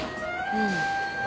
うん。